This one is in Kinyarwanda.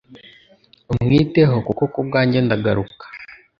umwiteho kuko kubwanjye ndagaruka